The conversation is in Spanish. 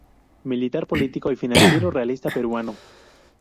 Militar, político y financiero realista peruano.